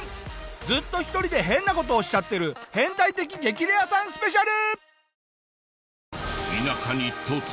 ずっと１人で変な事をしちゃってる変態的激レアさんスペシャル！